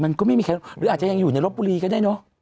มันก็ไม่มีใครหรืออาจจะยังอยู่ในรบบุรีก็ได้เนอะ